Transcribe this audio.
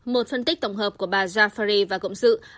một phân tích tổng hợp của bà jaffori và cộng sự